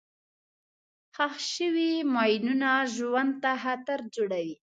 ښخ شوي ماینونه ژوند ته خطر جوړوي.